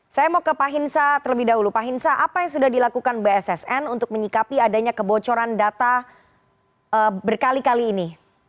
saya mau ke pak hinsa terlebih dahulu pak hinsa apa yang sudah dilakukan bssn untuk menyikapi adanya kebocoran data berkali kali ini